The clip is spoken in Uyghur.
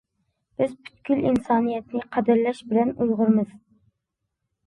بىز پۈتكۈل ئىنسانىيەتنى قەدىرلەش بىلەن ئۇيغۇرمىز.